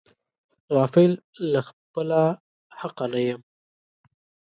غافل له خپله حقه نه یم.